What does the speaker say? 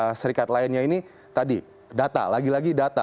amerika serikat lainnya ini tadi data lagi lagi data